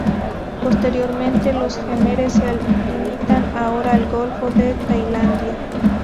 Posteriormente, los jemeres se limitan ahora al golfo de Tailandia.